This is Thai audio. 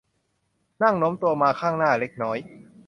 นั่งโน้มตัวมาข้างหน้าเล็กน้อย